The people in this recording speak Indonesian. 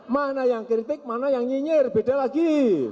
mana yang kritik mana yang nyinyir beda lagi